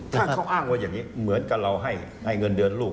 ถ้าเขาอ้างว่าอย่างนี้เหมือนกับเราให้เงินเดือนลูก